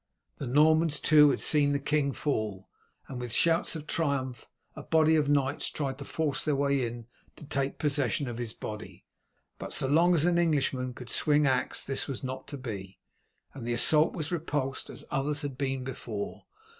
The Normans too had seen the king fall, and with shouts of triumph a body of knights tried to force their way in to take possession of his body. But so long as an Englishman could swing axe this was not to be, and the assault was repulsed as others had been before.